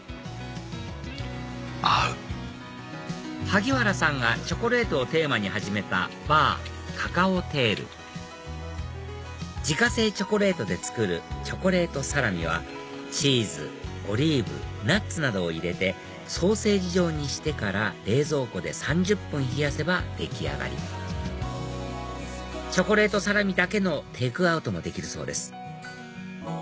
萩原さんがチョコレートをテーマに始めたバーＣＡＣＡＯＴＡＩＬ自家製チョコレートで作るチョコレートサラミはチーズオリーブナッツなどを入れてソーセージ状にしてから冷蔵庫で３０分冷やせば出来上がりチョコレートサラミだけのテイクアウトもできるそうです